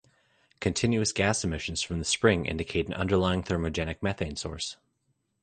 Continuous gas emissions from the spring indicate an underlying thermogenic methane source.